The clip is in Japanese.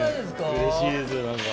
うれしいです何か。